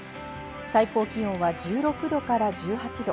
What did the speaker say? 最高気温は１６度から１８度。